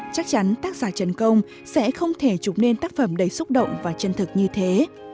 chắc chắn tác giả trần công sẽ không thể chụp nên tác phẩm đầy xúc động và chân thực như thế